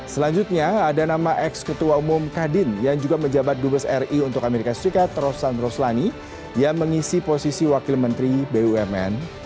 selanjutnya ada nama ex ketua umum kadin yang juga menjabat dubes ri untuk amerika serikat rosan roslani yang mengisi posisi wakil menteri bumn